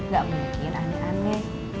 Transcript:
gak mungkin aneh aneh